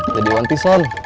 jadi iwan tison